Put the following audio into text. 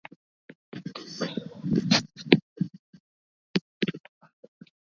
Maziwa yenye maambukizi ya ugonjwa wa miguu na midomo yakigusana na wanyama hueneza ugonjwa